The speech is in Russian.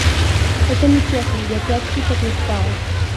Это нечестно, я пять суток не спал!